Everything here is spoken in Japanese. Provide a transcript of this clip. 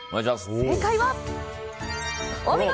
正解はお見事！